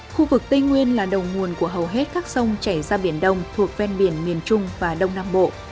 khu vực tây nguyên là đầu nguồn của hầu hết các sông chảy ra biển đông thuộc ven biển miền trung và đông nam bộ